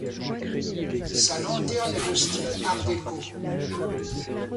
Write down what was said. Sa lanterne est de style Art déco.